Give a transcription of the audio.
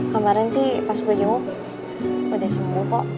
kemarin sih pas gue udah sembuh kok